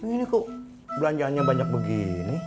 ini kok belanjaannya banyak begini